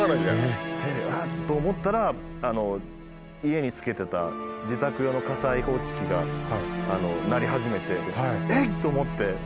あっ！と思ったら家につけてた自宅用の火災報知器が鳴り始めてえっ？と思って。